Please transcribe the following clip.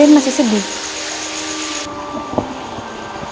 raden masih sedih